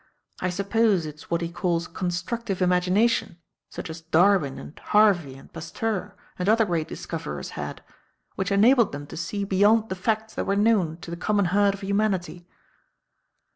I suppose it's what he calls constructive imagination, such as Darwin and Harvey and Pasteur and other great discoverers had, which enabled them to see beyond the facts that were known to the common herd of humanity."